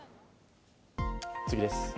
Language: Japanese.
次です。